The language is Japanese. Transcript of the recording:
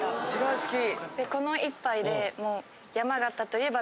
この１杯で。